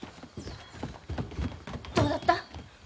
どうだった？